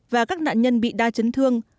và các nạn nhân bị đa chấn thương